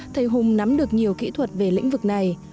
thầy hùng nắm được nhiều kỹ thuật về lĩnh vực này